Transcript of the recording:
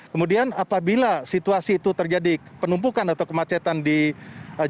kemudian apabila situasi itu terjadi penumpukan atau kemacetan di jakarta